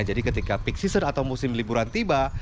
jadi ketika peak season atau musim liburan tiba